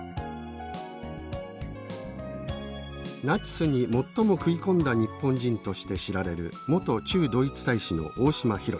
ナチスに最も食い込んだ日本人として知られる元駐ドイツ大使の大島浩。